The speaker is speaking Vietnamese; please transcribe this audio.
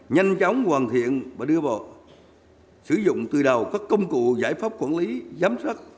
nhanh chóng hoàn thiện và đưa vào sử dụng từ đầu các công cụ giải pháp quản lý giám sát